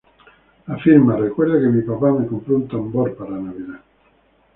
Afirma: ""Recuerdo que mi papá me compró un tambor para Navidad"".